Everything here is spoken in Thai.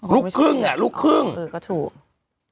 ลูกครึ่งอ่ะลูกครึ่งเออก็ถูก